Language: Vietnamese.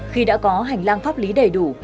khi đã có hành lang pháp lý đầy đủ